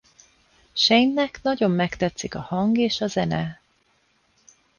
Shane-nek nagyon megtetszik a hang és a zene.